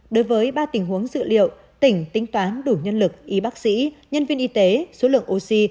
đối với ba tình huống dự liệu tỉnh tính toán đủ nhân lực y bác sĩ nhân viên y tế số lượng oxy